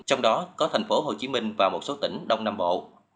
trong đó có thành phố hồ chí minh và một số tỉnh đông nam bộ